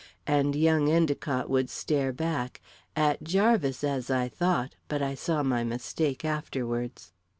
And young Endicott would stare back at Jarvis, as I thought, but I saw my mistake afterwards.